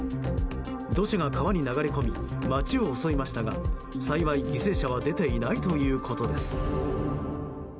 土砂が川に流れ込み街を襲いましたが幸い、犠牲者は出ていないということです。